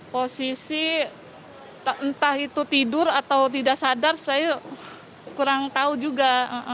posisi entah itu tidur atau tidak sadar saya kurang tahu juga